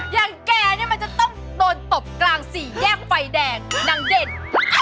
อย่างแกเนี่ยมันจะต้องโดนตบกลางสี่แยกไฟแดงนางเด่น